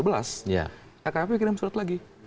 lkpp kirim surat lagi